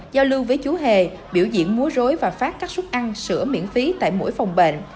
giao lưu với chú hề biểu diễn múa rối và phát các suất ăn sữa miễn phí tại mỗi phòng bệnh